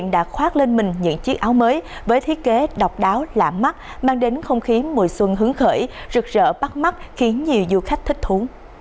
đã đón tên mình những chiếc áo mới với thiết kế độc đáo lạm mắt mang đến không khí mùi xuân hứng khởi rực rỡ bắt mắt khiến nhiều du khách thích thú